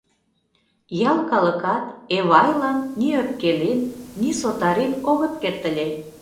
Ял калыкат Эвайлан ни ӧпкелен, ни сотарен огыт керт ыле.